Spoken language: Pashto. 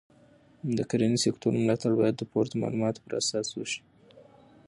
د کرنې سکتور ملاتړ باید د پورته معلوماتو پر اساس وشي.